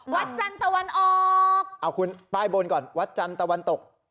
วัดจันทร์ตะวันออกเอาคุณป้ายบนก่อนวัดจันทร์ตะวันตก